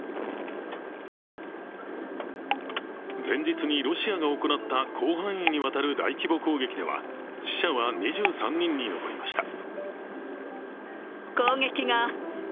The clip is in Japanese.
前日にロシアが行った広範囲にわたる大規模攻撃では死者は２３人に上りました。